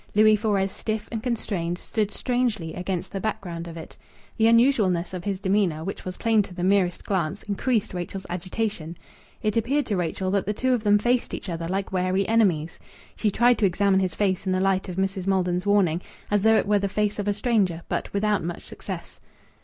Louis Fores, stiff and constrained, stood strangely against the background of it. The unusualness of his demeanour, which was plain to the merest glance, increased Rachel's agitation. It appeared to Rachel that the two of them faced each other like wary enemies. She tried to examine his face in the light of Mrs. Maldon's warning, as though it were the face of a stranger; but without much success.